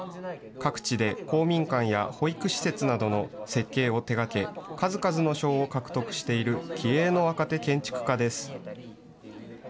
各地で公民館や保育施設などの設計を手がけ、数々の賞を獲得している気鋭の若手建築家です。